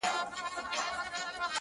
تر پرون مي يوه کمه ده راوړې!!